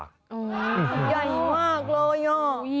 อ๋อเงียบมากเลยอ่ะ